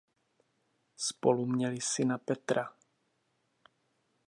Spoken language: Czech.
Spolu měli syna Petra.